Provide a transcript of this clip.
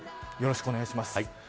よろしくお願いします。